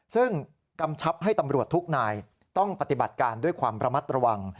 ซึ่งกำชับให้ตำรวจทุกนายต้องปฏิบัติการด้วยความระมัดระวัง